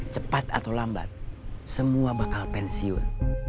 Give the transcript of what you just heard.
cepat atau lambat semua bakal pensiun